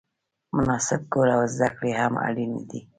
مناسب کور او زده کړې هم اړینې دي.